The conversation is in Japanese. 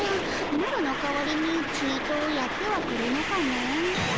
マロの代わりにちとやってはくれぬかの。